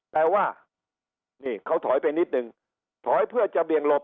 แต่ว่านี่เขาถอยไปนิดนึงถอยเพื่อจะเบี่ยงหลบ